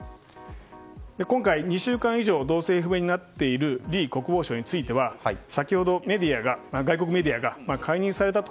今回、２週間以上動静不明になっているリ国防相については先ほど、外国メディアが解任されたと。